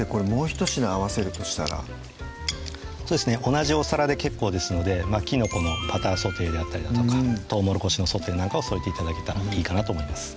同じお皿で結構ですのできのこのバターソテーであったりだとかとうもろこしのソテーなんかを添えて頂けたらいいかなと思います